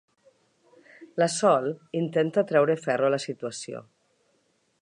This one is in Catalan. La Sol intenta treure ferro a la situació.